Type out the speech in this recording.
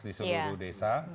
di seluruh desa